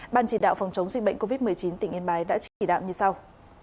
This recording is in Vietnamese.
ban chỉ đạo phòng chống dịch bệnh covid một mươi chín tỉnh yên bái đã chỉ đạo như sau